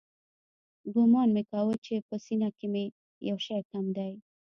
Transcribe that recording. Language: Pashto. ګومان مې کاوه چې په سينه کښې مې يو شى کم دى.